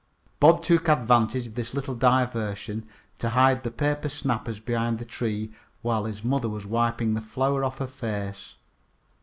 Bob took advantage of this little diversion to hide the paper snappers behind the tree while his mother was wiping the flour off her face.